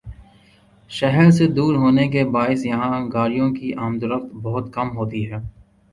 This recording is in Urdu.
شہر سے دور ہونے کے باعث یہاں گاڑیوں کی آمدورفت بہت کم ہوتی ہے ۔